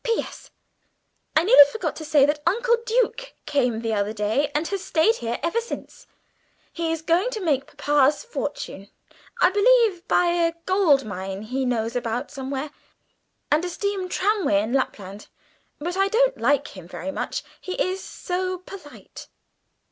"P.S. I nearly forgot to say that Uncle Duke came the other day and has stayed here ever since. He is going to make papa's fortune! I believe by a gold mine he knows about somewhere, and a steam tramway in Lapland. But I don't like him very much he is so polite."